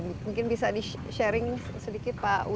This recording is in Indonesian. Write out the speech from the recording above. mungkin bisa di sharing sedikit pak